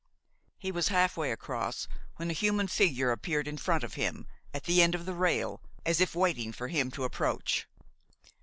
He was half way across when a human figure appeared in front of him, at the end of the rail, as if waiting for him to approach.